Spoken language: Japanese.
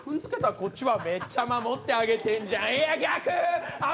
こっちはめっちゃ守ってあげてんじゃん。